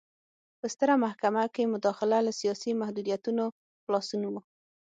په ستره محکمه کې مداخله له سیاسي محدودیتونو خلاصون و.